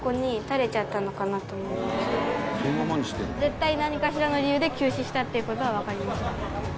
絶対何かしらの理由で急死したっていう事はわかりました。